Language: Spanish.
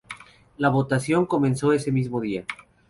La votación comenzó ese mismo día.